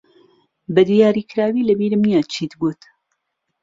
بەدیاریکراوی لەبیرم نییە چیت گوت.